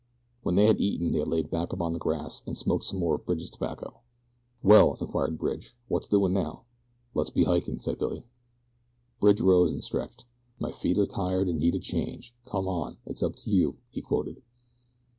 When they had eaten they lay back upon the grass and smoked some more of Bridge's tobacco. "Well," inquired Bridge, "what's doing now?" "Let's be hikin'," said Billy. Bridge rose and stretched. "'My feet are tired and need a change. Come on! It's up to you!'" he quoted.